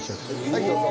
はいどうぞ。